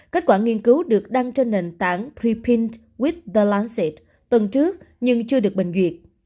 kết quả nghiên cứu được đăng trên nền tảng prepint with the lancet tuần trước nhưng chưa được bình duyệt